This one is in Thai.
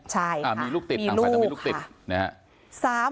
ใช่ค่ะมีลูกค่ะ